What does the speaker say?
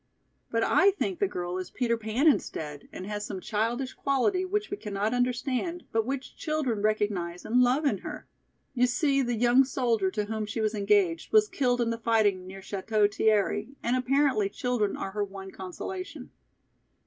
But I think the girl is Peter Pan instead and has some childish quality which we cannot understand but which children recognize and love in her. You see the young soldier to whom she was engaged was killed in the fighting near Château Thierry and apparently children are her one consolation.